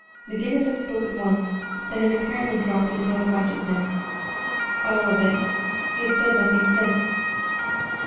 McGinnis had spoken once, then had apparently dropped into unconsciousness. At all events he had said nothing since.